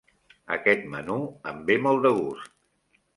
Aquest menú em ve molt de gust.